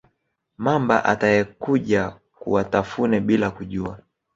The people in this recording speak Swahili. mamba atayekuja kuwatafune bila kujua